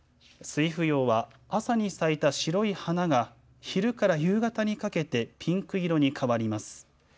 酔芙蓉は朝に咲いた白い花が昼から夕方にかけてピンク色に変わります。